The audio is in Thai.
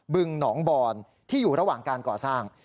บึงหนองบอนที่อยู่ระหว่างการก่อสร้าง